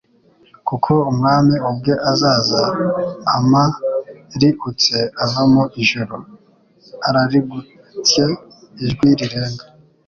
"Kuko Umwami ubwe azaza amariutse ava mu ijuru, arariguntye ijwi rirenga,